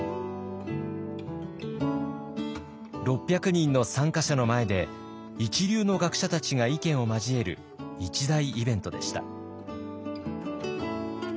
６００人の参加者の前で一流の学者たちが意見を交える一大イベントでした。